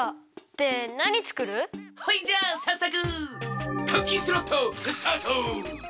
でなにつくる？ほいじゃあさっそくクッキンスロットスタート！